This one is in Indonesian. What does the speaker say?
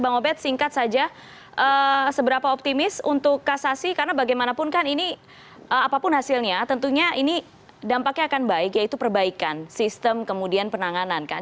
bang obed singkat saja seberapa optimis untuk kasasi karena bagaimanapun kan ini apapun hasilnya tentunya ini dampaknya akan baik yaitu perbaikan sistem kemudian penanganan kan